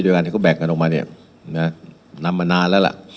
ดูการแบกกันกลมมานานแล้ว